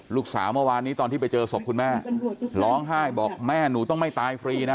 เมื่อวานนี้ตอนที่ไปเจอศพคุณแม่ร้องไห้บอกแม่หนูต้องไม่ตายฟรีนะ